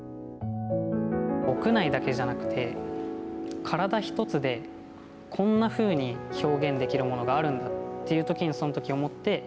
屋内だけじゃなくて、体一つでこんなふうに表現できるものがあるんだというときに、そのとき思って。